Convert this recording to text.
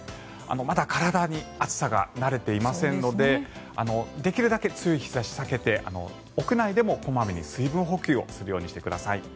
まだ体に暑さが慣れていませんのでできるだけ強い日差しを避けて屋内でも小まめに水分補給するようにしてください。